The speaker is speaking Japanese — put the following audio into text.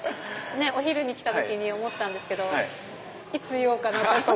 お昼に来た時に思ったんですけどいつ言おうかなと思って。